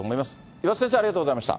岩田先生、ありがとうございました。